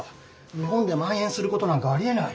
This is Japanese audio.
日本で蔓延することなんかありえない。